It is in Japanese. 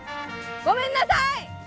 ごめんなさい！